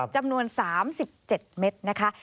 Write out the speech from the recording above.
จำนวน๓๗เม็ดนะคะ